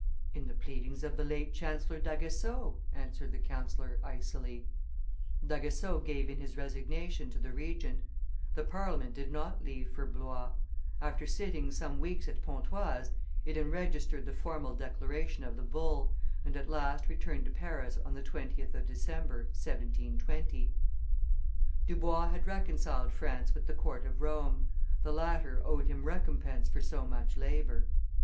"In the pleadings of the late Chancellor d'Aguesseau," answered the councillor, icily. D'Aguesseau gave in his resignation to the Regent; the Parliament did not leave for Blois; after sitting some weeks at Pontoise, it enregistered the formal declaration of the Bull, and at last returned to Paris on the, 20th of December, 1720. Dubois had reconciled France with the court of Rome; the latter owed him recompense for so much labor.